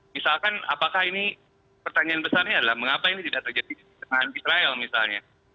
misalkan apakah ini pertanyaan besarnya adalah mengapa ini tidak terjadi di tengah israel misalnya